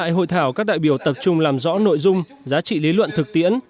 tại hội thảo các đại biểu tập trung làm rõ nội dung giá trị lý luận thực tiễn